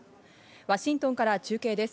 ワシントンから中継です。